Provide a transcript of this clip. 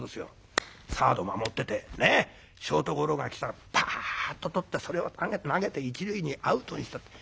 サード守っててショートゴロが来たらパッととってそれを投げて一塁にアウトにしたって。